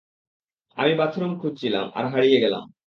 আমি বাথরুম খুঁজছিলাম, আর হারিয়ে গেলাম।